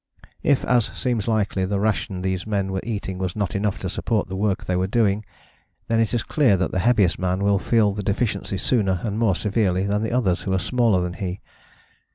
If, as seems likely, the ration these men were eating was not enough to support the work they were doing, then it is clear that the heaviest man will feel the deficiency sooner and more severely than others who are smaller than he.